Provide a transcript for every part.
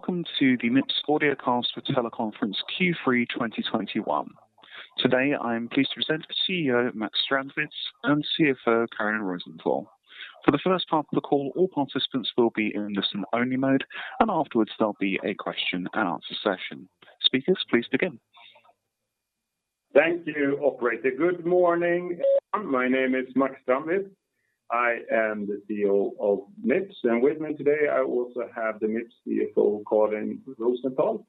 Good morning. My name is Max Strandwitz. I am the CEO of Mips. With me today is Karin Rosenthal, Chief Financial Officer of Mips.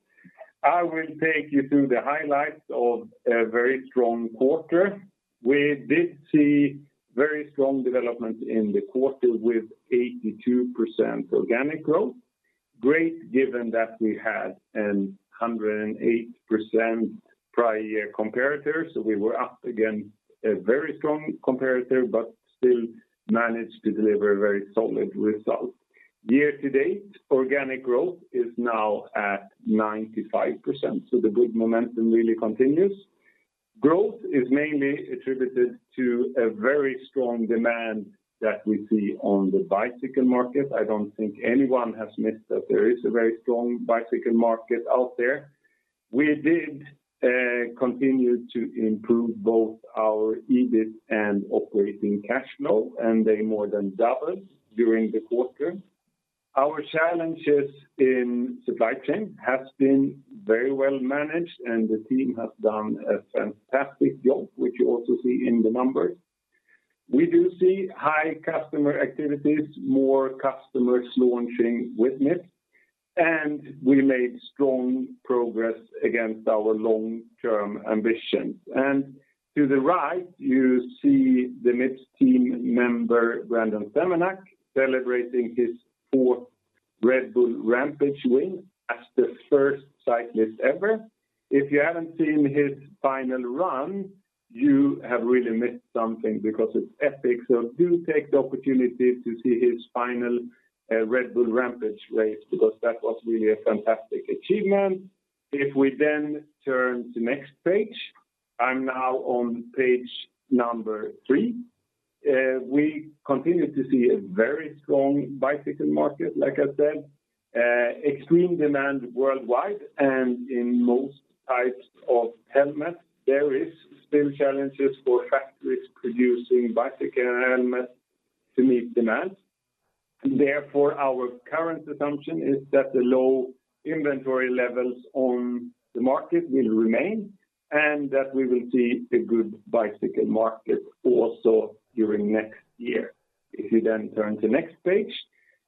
I will take you through the highlights of a very strong quarter. We did see very strong development in the quarter with 82% organic growth. This is particularly strong given a 108% prior-year comparator. We were up against a very strong comparator, but still managed to deliver a very solid result. Year-to-date, organic growth is now at 95%, so the good momentum really continues. Growth is mainly attributed to a very strong demand that we see on the bicycle market. The bicycle market remains very strong. We did continue to improve both our EBIT and operating cash flow, and they more than doubled during the quarter. Our supply chain challenges have been well managed, and the team has performed strongly, which you also see in the numbers. We do see high customer activities, more customers launching with Mips, and we made strong progress against our long-term ambitions. To the right, you see the Mips team member, Brandon Semenuk, celebrating his fourth Red Bull Rampage win as the first cyclist ever. If you haven't seen his final run, you have really missed something because it's epic. Do take the opportunity to see his final Red Bull Rampage race because that was really a fantastic achievement. We continue to see strong demand in the bicycle market. Extreme demand worldwide and in most types of helmets. There are still challenges for factories producing bicycle helmets to meet demand. Therefore, our current assumption is that the low inventory levels on the market will remain, and that we will see a good bicycle market also during next year. If you then turn to next page.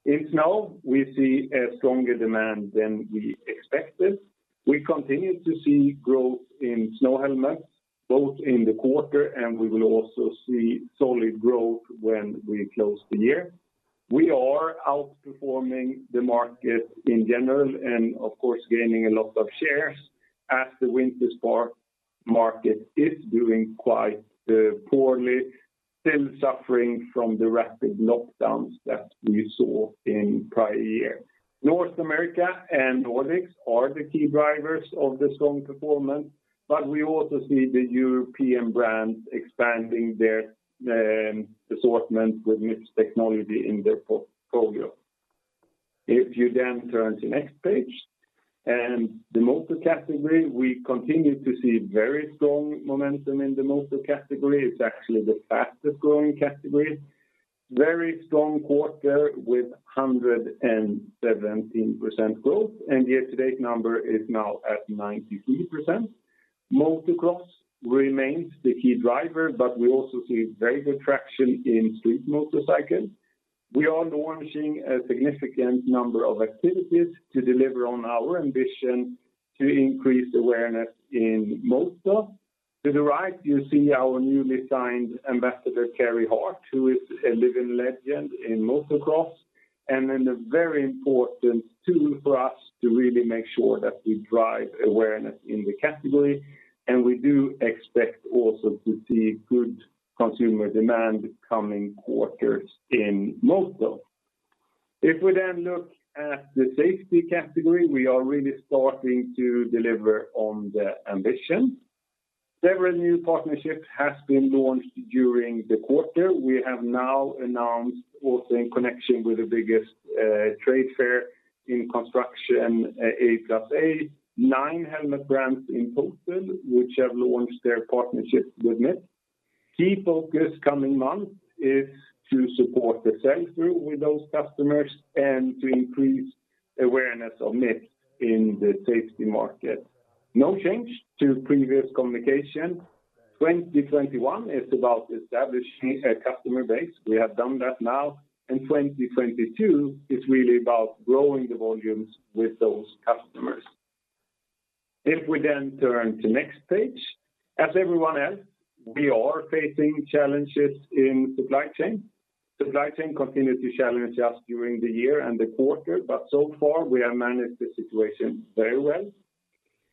In snow, we see a stronger demand than we expected. We continue to see growth in snow helmets, both in the quarter, and we will also see solid growth when we close the year. We are outperforming the market in general and of course, gaining a lot of shares as the winter sport market is doing quite poorly, still suffering from the rapid lockdowns that we saw in prior year. North America and Nordics are the key drivers of the strong performance, but we also see the European brands expanding their assortment with Mips technology in their portfolio. If you then turn to next page. The motor category, we continue to see very strong momentum in the motor category. It's actually the fastest-growing category. Very strong quarter with growth of 117%, and year-to-date number is now at 93%. Motocross remains the key driver, but we also see very good traction in street motorcycles. We are launching a significant number of activities to deliver on our ambition to increase awareness in motor. To the right, you see our newly signed ambassador, Carey Hart, who is a to support brand awareness in the category, to really make sure that we drive awareness in the category. We do expect also to see good consumer demand coming quarters in motor. If we then look at the safety category, we are really starting to deliver on the ambition. Several new partnerships have been launched during the quarter. We have now announced also in connection with the biggest trade fair in construction, A+A. Nine helmet brands in total, which have launched their partnerships with Mips. The key focus in the coming months is to support the sell-through with those customers and to increase awareness of Mips in the safety market. No change to previous communication. 2021 is about establishing a customer base. We have established the customer base. In 2022, the focus will be on volume growth. If we then turn to next page. As everyone else, we are facing challenges in supply chain. Supply chain challenges continued during the quarter., but so far, we have managed the situation very well.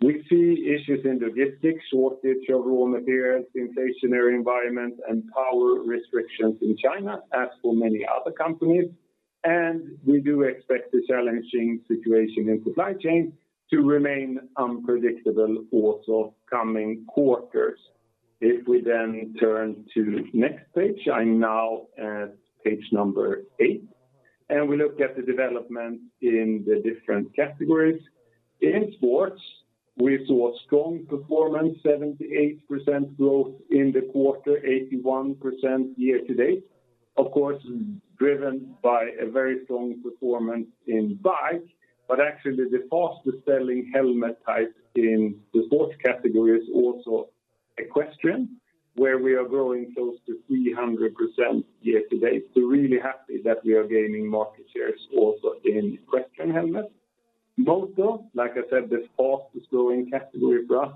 We see issues in logistics, shortage of raw materials, inflationary environment, and power restrictions in China, as for many other companies. We do expect the challenging situation in supply chain to remain unpredictable also coming quarters. If we then turn to next page, I'm now at page number 8, and we look at the development in the different categories. In sports, we saw strong performance, 78% growth in the quarter, 81% year to date. Of course, driven by a very strong performance in bike. The fastest-selling helmet type in the sports category is also equestrian, where we are growing close to 300% year to date. We're really happy that we are gaining market shares also in equestrian helmets. Moto, like I said, the fastest growing category for us,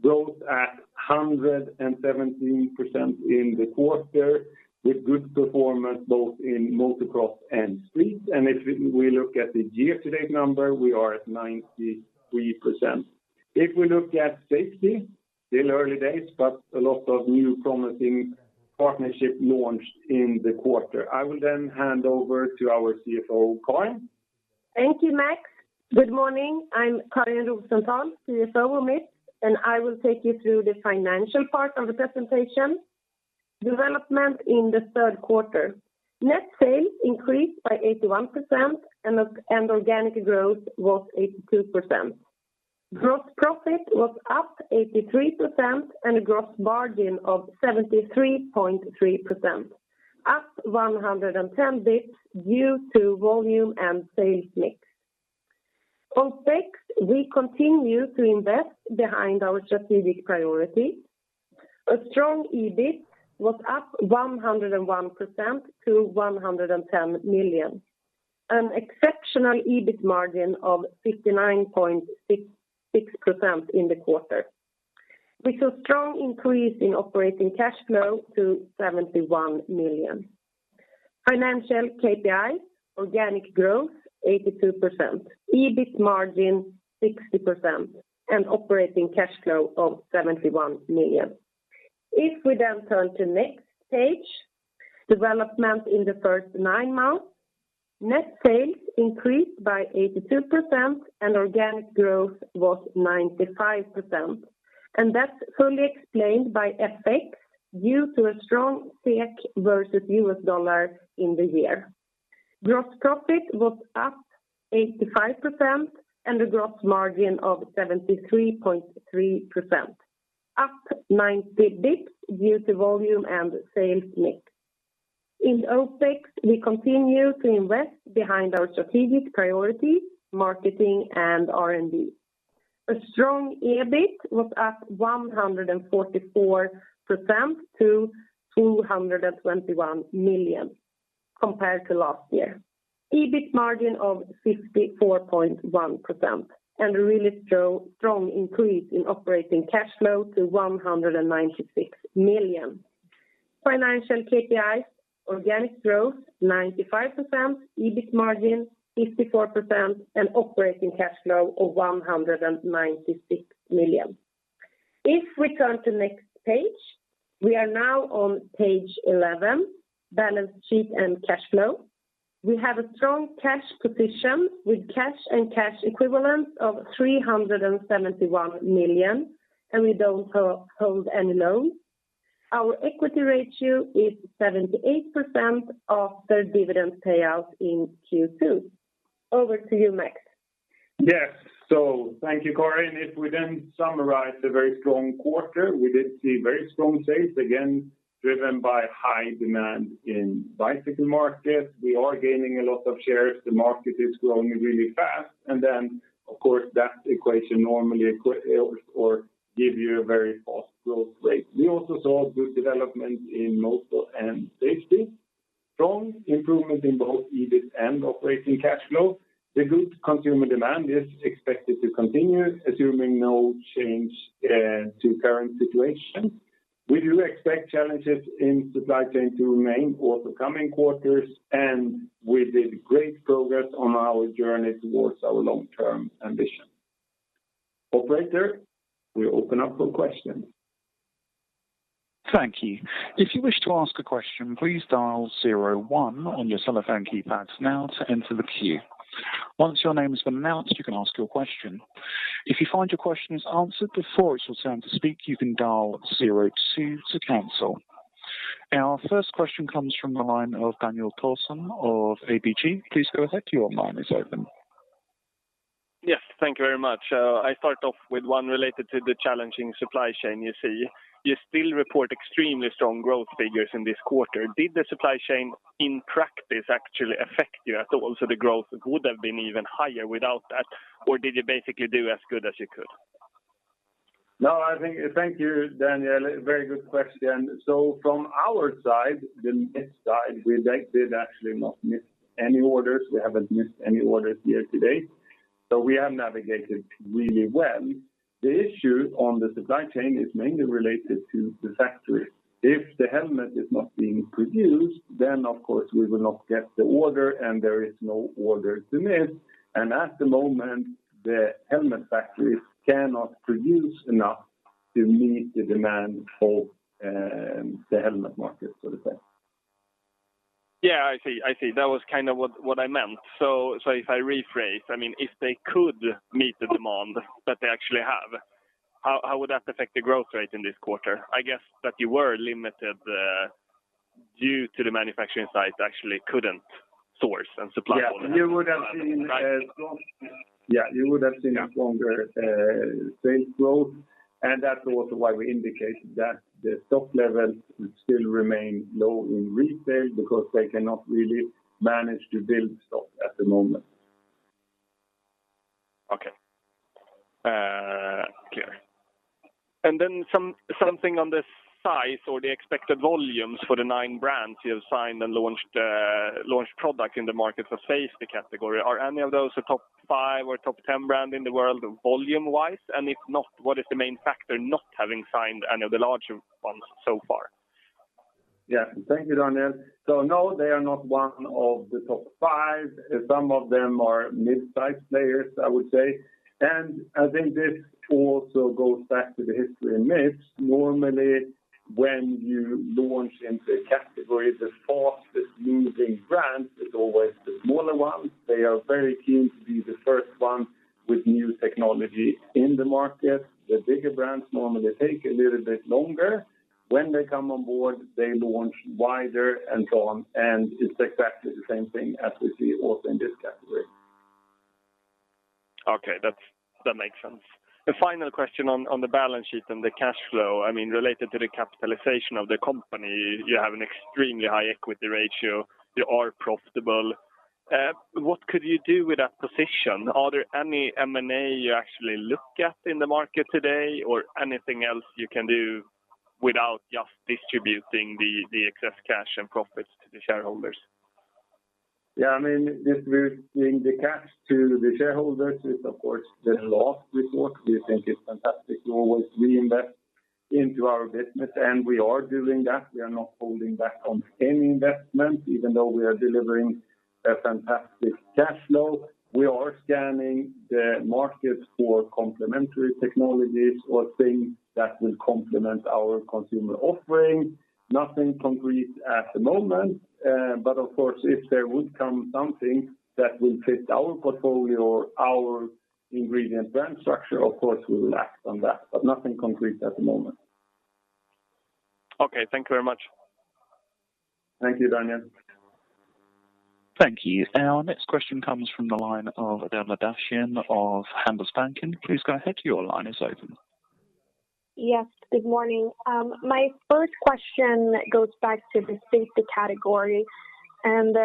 growth at 117% in the quarter with good performance both in motocross and street. If we look at the year to date number, we are at 93%. If we look at safety, still early days, but a lot of new promising partnership launched in the quarter. I will then hand over to our CFO, Karin. Thank you, Max. Good morning. I'm Karin Rosenthal, CFO of Mips, and I will present the financial results. Development in the third quarter. Net sales increased by 81% and organic growth was 82%. Gross profit was up 83% and a gross margin of 73.3%, up 110 basis points due to volume and sales mix. On OpEx, we continue to invest behind our strategic priority. A strong EBIT was up 101% to 110 million. An exceptional EBIT margin of 59.6% in the quarter. We saw strong increase in operating cash flow to 71 million. Key financial metrics include organic growth of 82%, an EBIT margin of 60%, and operating cash flow of 71 million. If we then turn to next page, development in the first 9 months. Net sales increased by 82% and Organic growth was 95%. FX had a negative impact due to a stronger SEK versus the US dollar. due to a strong SEK versus US dollar in the year. Gross profit was up 85% and a gross margin of 73.3%, up 90 bps due to volume and sales mix. In OpEx, we continue to invest behind our strategic priority, marketing and R&D. A strong EBIT was up 144% to 221 million compared to last year. EBIT margin of 54.1% and a really strong increase in operating cash flow to 196 million. Financial KPIs, organic growth 95%, EBIT margin 54%, and operating cash flow of 196 million. If we turn to next page, we are now on page 11, balance sheet and cash flow. We have a strong cash position with cash and cash equivalents of 371 million, and the company has no outstanding debt. Our equity ratio is 78% after dividend payout in Q2. Over to you, Max. Yes. Thank you, Karin. If we then summarize the very strong quarter, we did see very strong sales, again driven by high demand in bicycle market. We are gaining a lot of shares. The market is growing really fast. Of course, this combination typically results in strong growth. We also saw good development in moto and safety, strong improvement in both EBIT and operating cash flow. The good consumer demand is expected to continue, assuming no change to current situation. We do expect challenges in supply chain to remain for the coming quarters, and we did great progress on our journey towards our long-term ambition. We will now open the call for questions. Yes. Thank you very much. I start off with one related to the challenging supply chain you see. You still report extremely strong growth figures in this quarter. Did the supply chain in practice actually affect you at all, so the growth would have been even higher without that? Or did you basically do as good as you could? Thank you, Daniel Thorsson. A very good question. From our side, the miss side, We have not missed any orders. We haven't missed any orders year to date, so we have navigated really well. The issue on the supply chain is mainly related to the factory. If the helmet is not being produced, then of course we will not get the order and there is no order to miss. At the moment, the helmet factories cannot produce enough to meet the demand for the helmet market, so to say. I see. That was what I meant. If I rephrase, I mean, if they could meet the demand that they actually have, how would that affect the growth rate in this quarter? I guess that you were limited due to the manufacturing sites actually couldn't source and supply- You would have seen, Right. you would have seen. stronger sales growth, and that's also why we indicated that the stock levels would still remain low in retail because they cannot really manage to build stock at the moment. Okay. Clear. Something on the size or the expected volumes for the 9 brands you have signed and launched product in the market for safety category. Are any of those the top 5 or top 10 brand in the world volume-wise? If not, what is the main factor not having signed any of the larger ones so far? Thank you, Daniel. No, they are not one of the top five. Some of them are mid-size players, I would say. I think this also goes back to the history of Mips. Normally, when you launch into a category, the fastest-moving brand is always the smaller one. They are very keen to be the first one with new technology in the market. The bigger brands normally take a little bit longer. When they come on board, they launch wider and so on, and it's exactly the same thing as we see also in this category. Okay. That makes sense. The final question on the balance sheet and the cash flow, I mean, related to the capitalization of the company, you have an extremely high equity ratio. You are profitable. What could you do with that position? Are there any M&A you actually look at in the market today or anything else you can do without just distributing the excess cash and profits to the shareholders? I mean, distributing the cash to the shareholders is, of course, the last resort. We think it's fantastic to always reinvest into our business, and we are doing that. We are not holding back on any investment, even though we are delivering a fantastic cash flow. We are scanning the market for complementary technologies or things that will complement our consumer offering. Nothing concrete at the moment, but of course, if there would come something that will fit our portfolio or our ingredient brand structure, of course, we will act on that, but nothing concrete at the moment. Okay. Thank you very much. Thank you, Daniel. Yes, good morning. My first question goes back to the safety category, and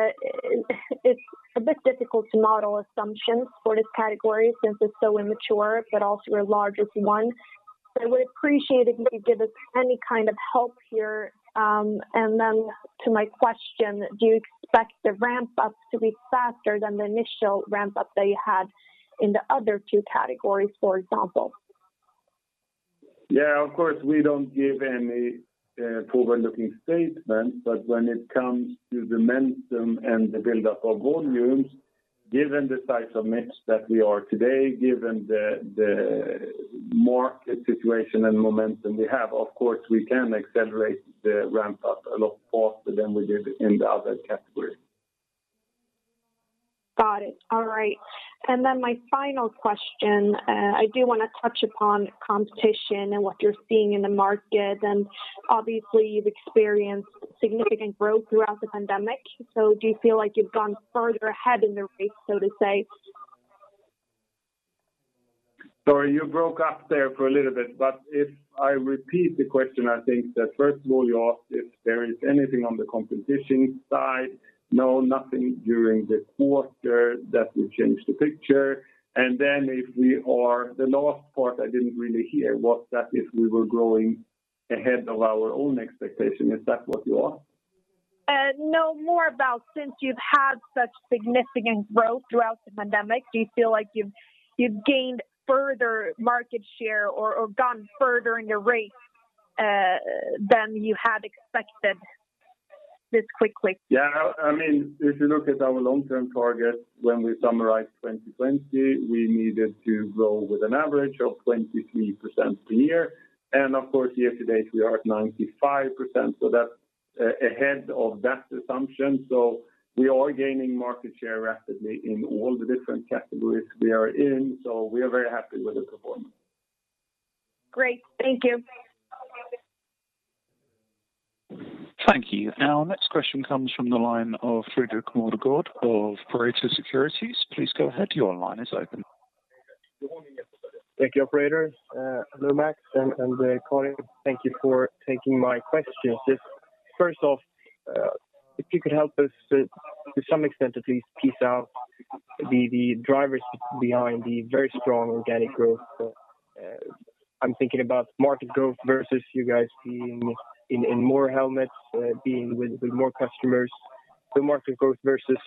it's a bit difficult to model assumptions for this category since it's so immature but also your largest one. I would appreciate if you could give us any help here. To my question, do you expect the ramp-up to be faster than the initial ramp-up that you had in the other two categories, for example? Of course, we don't give any forward-looking statement, but when it comes to the momentum and the buildup of volumes, given the size of Mips that we are today, given the market situation and momentum we have, of course, we can accelerate the ramp-up a lot faster than we did in the other categories. Got it. All right. My final question, I do wanna touch upon competition and what you're seeing in the market. Obviously, you've experienced significant growth throughout the pandemic. Do you feel like you've gone further ahead in the race, so to say? Sorry, you broke up there for a little bit, but if I repeat the question, I think that first of all, you asked if there is anything on the competition side. No, nothing during the quarter that will change the picture. Then, the last part I didn't really hear, was that if we were growing ahead of our own expectation? Is that what you asked? No, more about since you've had such significant growth throughout the pandemic, do you feel like you've gained further market share or gone further in your race than you had expected this quickly? If you look at our long-term target, when we summarized 2020, we needed to grow with an average of 23% per year. Of course, year to date, we are at 95%, so that's ahead of that assumption. We are gaining market share rapidly in all the different categories we are in, so we are very happy with the performance. Great. Thank you. Good morning, everybody. Thank you, operator. Hello, Max and Karin. Thank you for taking my questions. Just first off, if you could help us to some extent at least piece out the drivers behind the very strong organic growth. I'm thinking about market growth versus you guys being in more helmets, being with more customers, so market growth versus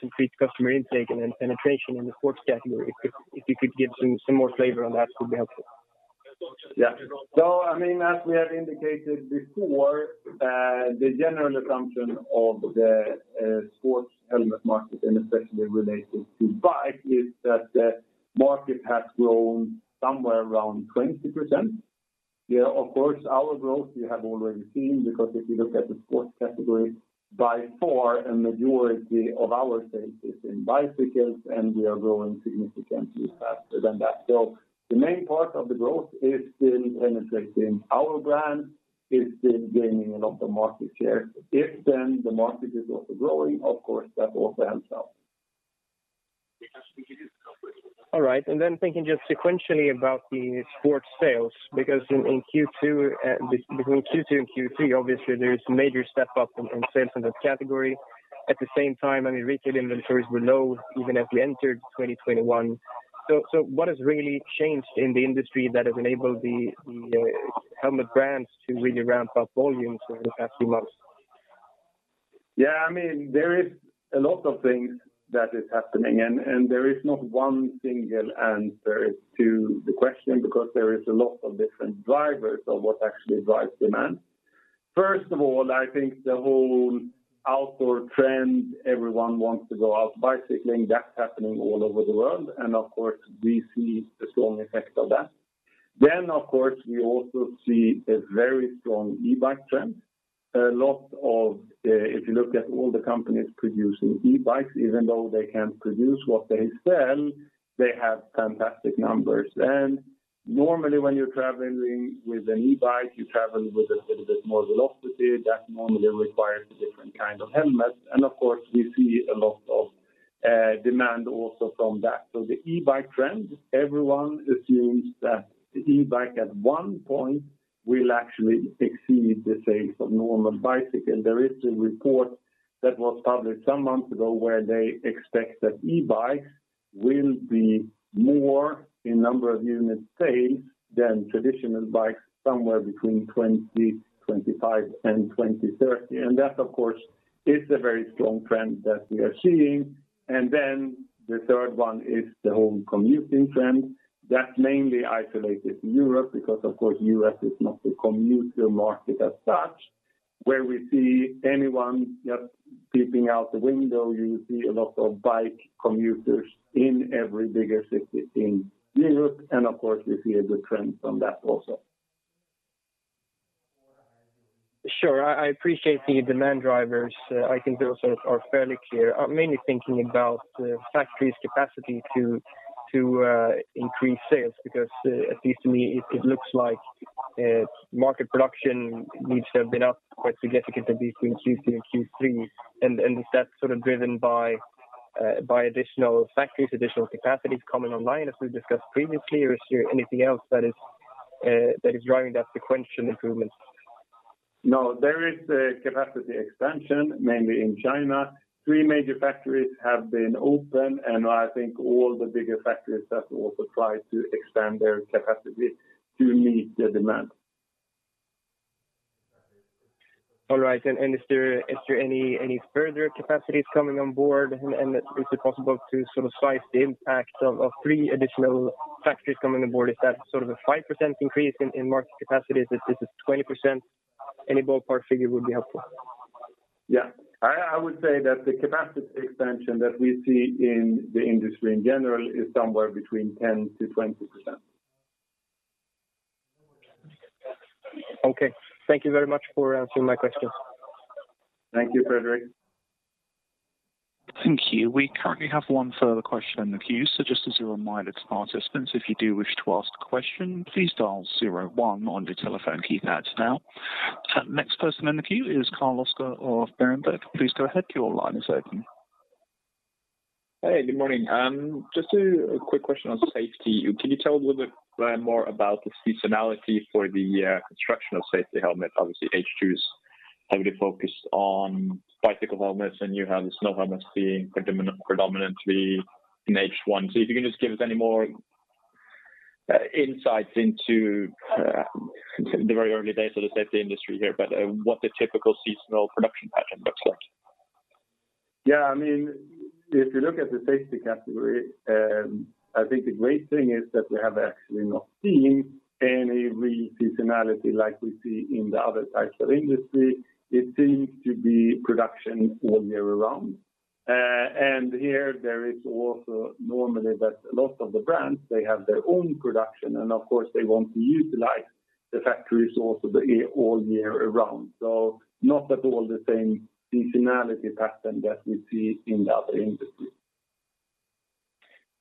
increased customer intake and then penetration in the sports category. If you could give some more flavor on that, it would be helpful. As we have indicated before, the general assumption of the sports helmet market and especially related to bike is that the market has grown somewhere around 20%. , of course, our growth you have already seen because if you look at the sports category, by far a majority of our sales is in bicycles, and we are growing significantly faster than that. The main part of the growth is still penetrating our brand, is still gaining a lot of market share. If then the market is also growing, of course, that also helps out. All right. Thinking just sequentially about the sports sales, because between Q2 and Q3, obviously there is major step up in sales in that category. At the same time, I mean, retail inventories were low even as we entered 2021. What has really changed in the industry that has enabled the helmet brands to really ramp up volumes over the past few months? There is a lot of things that is happening and there is not one single answer to the question because there is a lot of different drivers of what actually drives demand. First of all, I think the whole outdoor trend, everyone wants to go out bicycling, that's happening all over the world, and of course, we see a strong effect of that. Of course, we also see a very strong e-bike trend. A lot of, if you look at all the companies producing e-bikes, even though they can't produce what they sell, they have fantastic numbers. And normally, when you're traveling with an e-bike, you travel with a little bit more velocity. That normally requires a different helmet. And of course, we see a lot of demand also from that. The e-bike trend, everyone assumes that the e-bike at one point will actually exceed the sales of normal bicycle. There is a report that was published some months ago where they expect that e-bikes will be more in number of unit sales than traditional bikes somewhere between 2025 and 2030. That of course is a very strong trend that we are seeing. Then the third one is the whole commuting trend. That's mainly isolated to Europe because of course U.S. is not a commuter market as such, where we see anyone just peeping out the window. You see a lot of bike commuters in every bigger city in Europe, and of course we see a good trend from that also. Sure. I appreciate the demand drivers. I think those are fairly clear. I'm mainly thinking about factories capacity to increase sales because at least to me, it looks like market production needs to have been up quite significantly between Q2 and Q3. Is that sort of driven by additional factories, additional capacities coming online as we discussed previously? Or is there anything else that is driving that sequential improvement? No, there is a capacity expansion mainly in China. Three major factories have been opened, and I think all the bigger factories have also tried to expand their capacity to meet the demand. All right. Is there any further capacities coming on board? Is it possible to sort of slice the impact of three additional factories coming on board? Is that sort of a 5% increase in market capacity? Is this 20%? Any ballpark figure would be helpful. I would say that the capacity expansion that we see in the industry in general is somewhere between 10%-20%. Okay. Thank you very much for answering my questions. Thank you, Fredrik. Hey, good morning. Just a quick question on safety. Can you tell a little bit more about the seasonality for the construction safety helmet? Obviously, H2's heavily focused on bicycle helmets, and you have the snow helmets being predominantly in H1. If you can just give us any more insights into the very early days of the safety industry here, but what the typical seasonal production pattern looks like. If you look at the safety category, I think the great thing is that we have actually not seen any real seasonality like we see in the other types of industry. It seems to be production all year round. Here there is also normally that a lot of the brands, they have their own production, and of course, they want to utilize the factory resource all year round. Not at all the same seasonality pattern that we see in the other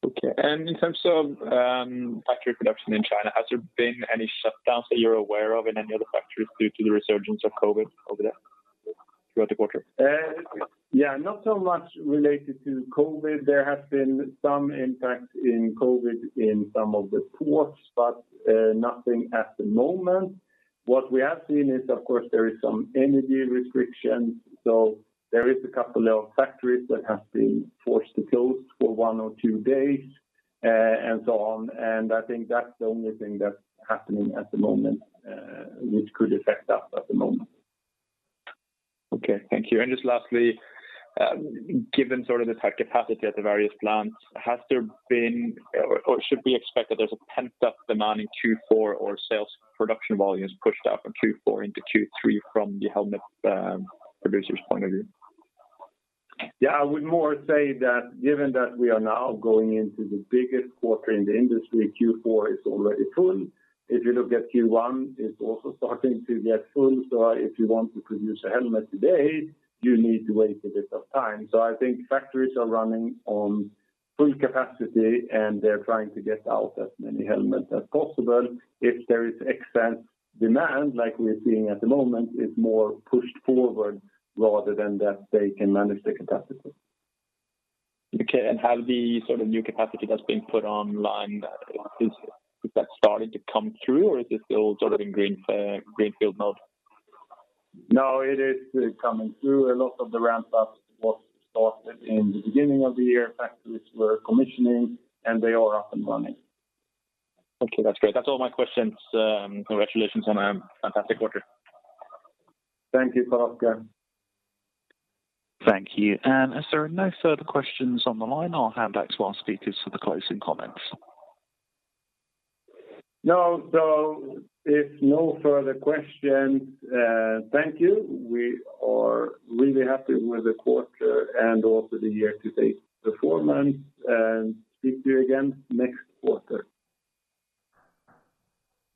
industry. In terms of factory production in China, has there been any shutdowns that you're aware of in any other factories due to the resurgence of COVID over there throughout the quarter? Not so much related to COVID. There has been some impact in COVID in some of the ports, but nothing at the moment. What we have seen is, of course, there is some energy restrictions, so there is a couple of factories that have been forced to close for one or two days, and so on. I think that's the only thing that's happening at the moment, which could affect us at the moment. Okay. Thank you. Just lastly, given sort of the capacity at the various plants, has there been or should we expect that there's a pent-up demand in Q4 or sales production volumes pushed up from Q4 into Q3 from the helmet producer's point of view? I would more say that given that we are now going into the biggest quarter in the industry, Q4 is already full. If you look at Q1, it's also starting to get full. If you want to produce a helmet today, you need to wait a bit of time. I think factories are running on full capacity, and they're trying to get out as many helmets as possible. If there is excess demand like we're seeing at the moment, it's more pushed forward rather than that they can manage their capacity. Okay. Have the sort of new capacity that's been put online, is that starting to come through or is this still sort of in green, greenfield mode? No, it is coming through. A lot of the ramp up was started in the beginning of the year. Factories were commissioning, and they are up and running. Okay. That's great. That's all my questions. Congratulations on a fantastic quarter. Thank you, Carl-Oscar Bredengen. If there are no further questions, thank you for joining us., thank you. We are really happy with the quarter and also the year-to-date performance, and we'll speak to you again next quarter.